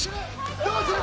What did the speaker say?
どうする？